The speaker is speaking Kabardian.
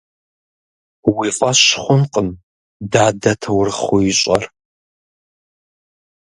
Уи фӀэщ хъункъым дадэ таурыхъыу ищӀэр.